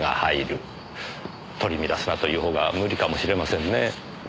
取り乱すなというほうが無理かもしれませんねえ。